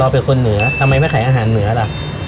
เป็นคนเหนือทำไมไม่ขายอาหารเหนือล่ะ